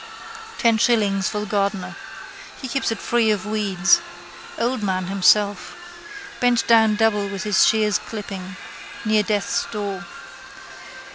Ten shillings for the gardener. He keeps it free of weeds. Old man himself. Bent down double with his shears clipping. Near death's door.